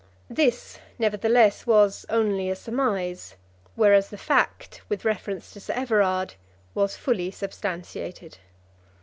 This, nevertheless, was only a surmise, whereas the fact with reference to Sir Everard was fully substantiated.